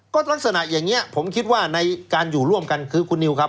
ก็ลักษณะอย่างนี้ผมคิดว่าในการอยู่ร่วมกันคือคุณนิวครับ